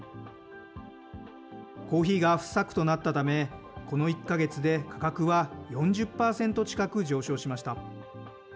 コーヒーが不作となったため、この１か月で価格は４０％近く上昇しました。